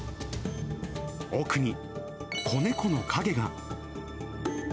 奥に子猫の影が。